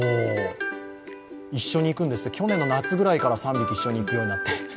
一緒に行くんですって、去年の夏ぐらいから３匹一緒に行くようになって。